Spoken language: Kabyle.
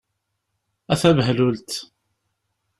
A tabehlult!